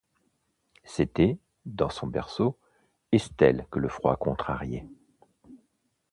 C'était, dans son berceau, Estelle que le froid contrariait.